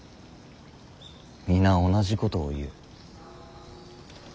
皆同じことを言う。